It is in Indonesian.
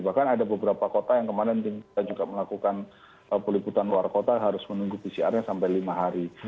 bahkan ada beberapa kota yang kemarin kita juga melakukan peliputan luar kota harus menunggu pcr nya sampai lima hari